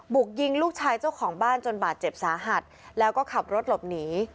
กยิงลูกชายเจ้าของบ้านจนบาดเจ็บสาหัสแล้วก็ขับรถหลบหนี